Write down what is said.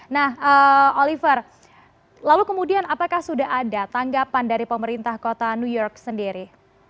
nah oliver lalu kemudian apakah sudah ada tanggapan dari pemerintah kota new york sendiri